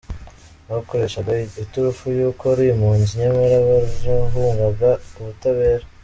Bakoreshaga iturufu y’uko ari impunzi, nyamara barahungaga ubutabera.